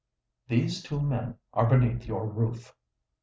These two men are beneath your roof!"